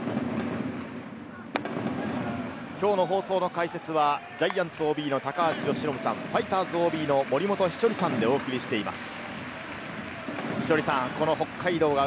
今日の放送の解説はジャイアンツＯＢの高橋由伸さん、ファイターズＯＢの森本稀哲さんでお送りしています。